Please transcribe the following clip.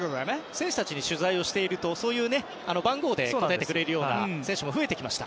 選手たちに取材をするとそういう番号で例えてくれる選手も増えてくれました。